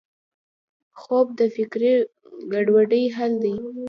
خوب د فکري ګډوډۍ حل دی